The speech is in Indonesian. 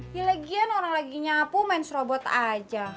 ya lagian orang lagi nyapu main serobot aja